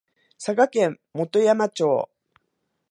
佐賀県基山町